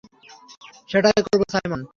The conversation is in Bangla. সেটাই করব, সাইমন।